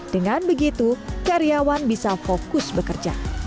dengan begitu karyawan bisa fokus bekerja